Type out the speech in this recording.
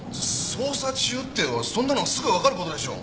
捜査中ってそんなのはすぐわかる事でしょ？